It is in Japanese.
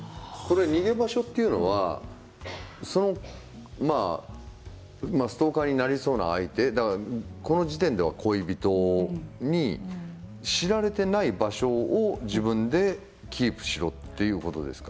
逃げ場所というのはストーカーになりそうな相手この時点では恋人に知られていない場所を自分でキープしろということですか？